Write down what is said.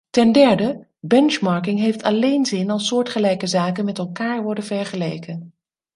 Ten derde, benchmarking heeft alleen zin als soortgelijke zaken met elkaar worden vergeleken.